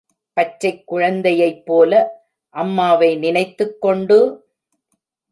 பச்சைக் குழந்தையைப்போல, அம்மாவை நினைத்துக்கொண்டு...!